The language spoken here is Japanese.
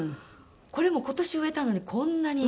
これも今年植えたのにこんなに。